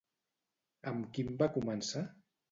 Amb quin va començar?